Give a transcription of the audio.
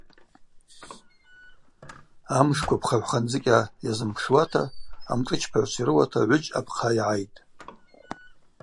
Амшква пхагӏвханацӏыкӏьара йазымпшуата, амшӏычпагӏвчва йрыуата гӏвыджь апхъа йгӏайтӏ.